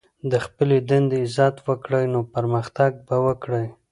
د خپلي دندې عزت وکړئ، نو پرمختګ به وکړئ!